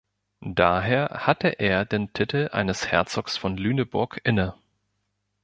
Daher hatte er den Titel eines Herzogs von Lüneburg inne.